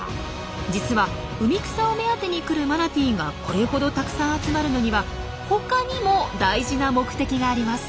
実は海草を目当てに来るマナティーがこれほどたくさん集まるのには他にも大事な目的があります。